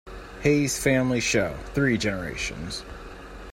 Hayes Family Show: Three Generations.